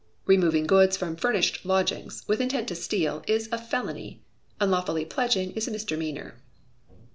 Removing goods from furnished lodgings, with intent to steal, is a felony: unlawfully pledging is a misdemeanour.